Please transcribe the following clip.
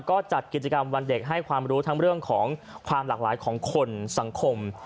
ก็จัดกิจกรรมวันเด็กให้ความรู้ทั้งเรื่องของความหลากหลายของคนสังคม